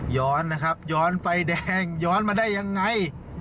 ย้อนนะครับย้อนไฟแดงย้อนมาได้ยังไง